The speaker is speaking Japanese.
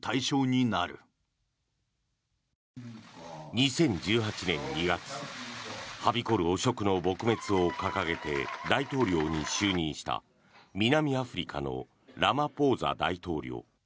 ２０１８年２月はびこる汚職の撲滅を掲げて大統領に就任した南アフリカのラマポーザ大統領。